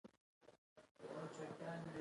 د کار دوره تر اویا کلونو پورې تمدید کیږي.